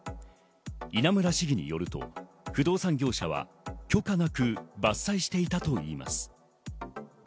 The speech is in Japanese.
稲村市議によると、不動産業者は許可なく木を伐採していたといいます。